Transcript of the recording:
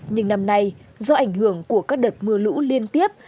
nhưng năm nay do ảnh hưởng của các đợt mưa lũ liên tiếp